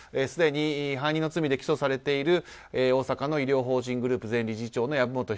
すでに背任の罪で起訴されている大阪の医療法人グループ前理事長の籔本